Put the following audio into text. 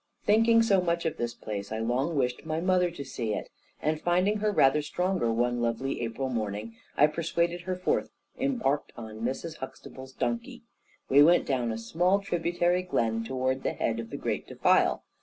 Thinking so much of this place, I long wished my mother to see it; and finding her rather stronger one lovely April morning, I persuaded her forth, embarked on Mrs. Huxtable's donkey. We went, down a small tributary glen, towards the head of the great defile.